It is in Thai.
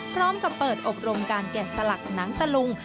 พร้อมกับเปิดอบรมการแกะสลักหนังตะลุง